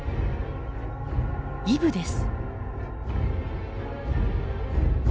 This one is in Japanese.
イブです。